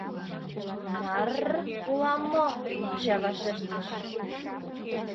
— Нарр улам мо, — ача вашештыш.